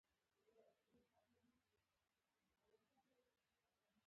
د نعناع ګل د څه لپاره وکاروم؟